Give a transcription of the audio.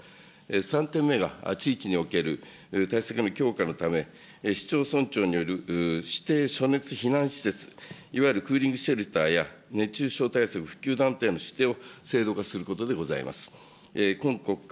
３点目が、地域における対策の強化のため、市町村長による指定暑熱避難施設、いわゆるクーリングシェルターや熱中症普及団体のを制度化することであります。